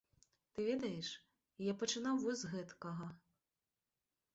Ты ведаеш, я пачынаў вось з гэткага.